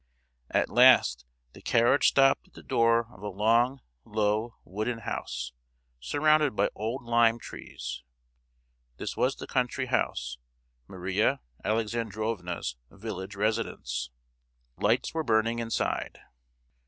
At last the carriage stopped at the door of a long low wooden house, surrounded by old lime trees. This was the country house, Maria Alexandrovna's village residence. Lights were burning inside.